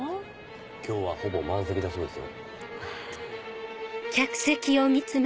今日はほぼ満席だそうですよ。